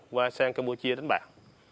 qua sang campuchia đánh bạc